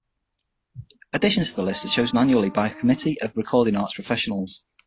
Additions to the list are chosen annually by a committee of recording arts professionals.